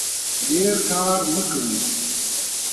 ډیر کار مه کوئ